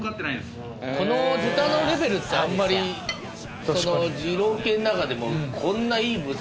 この豚のレベルってあんまりこの二郎系の中でもこんないい豚